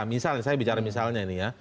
misalnya saya bicara misalnya ini ya